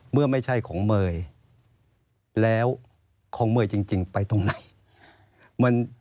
เมื่อไม่ใช่ของเมย์แล้วของเมย์จริงไปตรงไหน